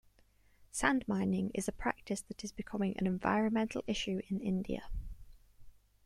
Sand mining is a practice that is becoming an environmental issue in India.